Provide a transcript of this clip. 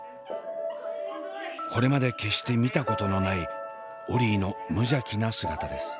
これまで決して見たことのないオリィの無邪気な姿です。